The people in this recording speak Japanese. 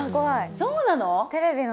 そうなの？